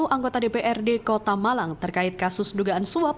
empat puluh satu anggota dprd kota malang terkait kasus dugaan suap